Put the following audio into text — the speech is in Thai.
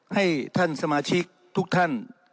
ให้ท่านสมาชิกทุกท่าน